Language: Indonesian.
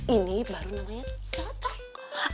ini baru namanya cocok